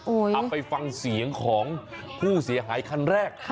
เอาไปฟังเสียงของผู้เสียหายคันแรก